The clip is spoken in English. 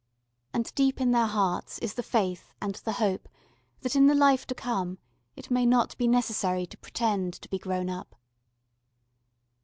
And deep in their hearts is the faith and the hope that in the life to come it may not be necessary to pretend to be grown up.